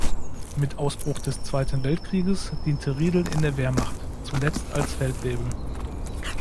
Mit Ausbruch des Zweiten Weltkrieges diente Riedel in der Wehrmacht, zuletzt als Feldwebel.